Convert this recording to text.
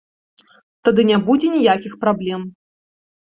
Тады не будзе ніякіх праблем.